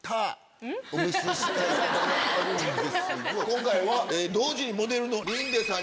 今回は同時にモデルの林出さんに。